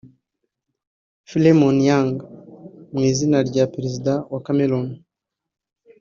Philemon Yang mu izina rya Perezida wa Cameroon